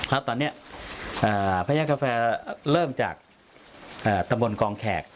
แล้วตอนนี้พญากาแฟเริ่มจากตำบลกองแขก